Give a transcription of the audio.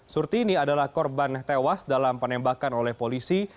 surtini adalah korban tewas dalam penembakan oleh polisi